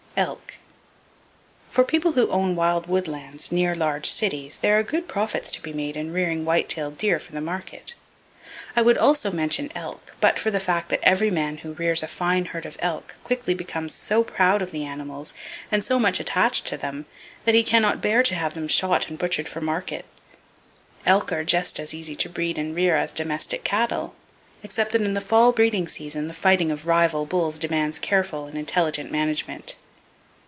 Elk.—For people who own wild woodlands near large cities there are good profits to be made in rearing white tailed deer for the market. I would also mention elk, but for the fact that every man who rears a fine herd of elk quickly becomes so proud of the animals, and so much attached to them, that he can not bear to have them shot and butchered for market! Elk are just as easy to breed and rear as domestic cattle, except that in the fall breeding season, the fighting of rival bulls demands careful and intelligent management.